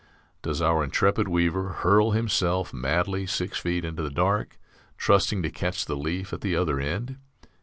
Does our intrepid weaver hurl himself madly six feet into the dark, trusting to catch the leaf at the other end?